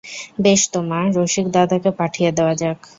বেশ তো মা, রসিকদাদাকে পাঠিয়ে দেওয়া যাক।